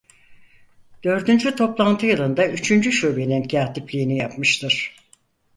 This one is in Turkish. Dördüncü toplantı yılında üçüncü şubenin kâtipliğini yapmıştır.